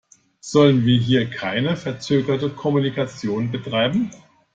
Sollen wir hier keine verzögerte Kommunikation betreiben?